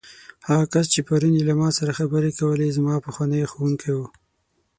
هغه کس چې پرون یې له ما سره خبرې کولې، زما پخوانی ښوونکی و.